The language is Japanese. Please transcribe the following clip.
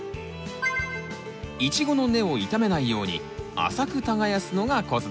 イチゴの根を傷めないように浅く耕すのがコツですよ。